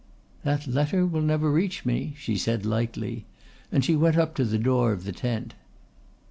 "That letter will never reach me," she said lightly, and she went up to the door of the tent.